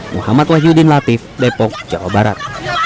muhammad wahyudin latif depok jawa barat